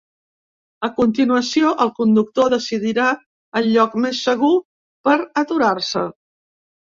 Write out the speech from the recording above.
A continuació el conductor decidirà el lloc més segur per aturar-se.